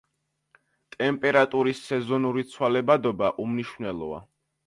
ტემპერატურის სეზონური ცვალებადობა უმნიშვნელოა.